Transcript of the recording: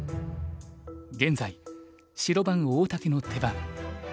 現在白番大竹の手番。